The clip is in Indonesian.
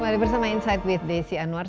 kembali bersama insight with desi anwar